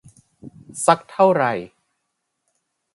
สักเท่าไร